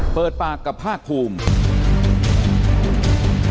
เปิดปากกับภาคภูมิ